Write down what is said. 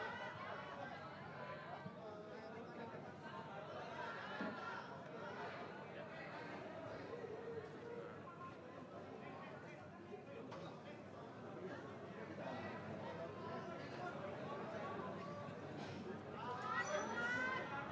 maka tidak disengitang sangk coisa bread permohonan oleh westjr